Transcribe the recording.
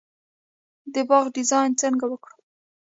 د باغ ډیزاین څنګه وکړم؟